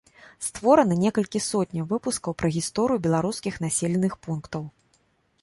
Створана некалькі сотняў выпускаў пра гісторыю беларускіх населеных пунктаў.